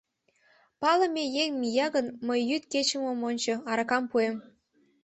Палыме еҥ мия гын, мый йӱд-кечым ом ончо — аракам пуэм.